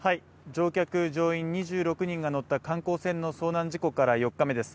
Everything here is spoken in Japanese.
乗客・乗員２６人が乗った観光船の遭難事故から４日目です。